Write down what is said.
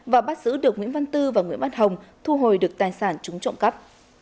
và bắt giữ được nguyễn văn tư và nguyễn bát hồng thu hồi được tài sản chúng trộm cắp